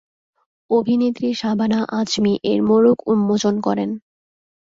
অভিনেত্রী শাবানা আজমি এর মোড়ক উন্মোচন করেন।